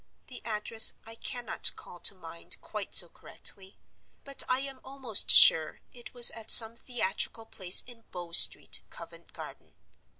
The address I cannot call to mind quite so correctly; but I am almost sure it was at some theatrical place in Bow Street, Covent Garden.